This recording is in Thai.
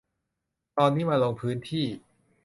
ตอนนี้มาลงพื้นที่